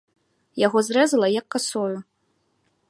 Яго зрэзала, як касою.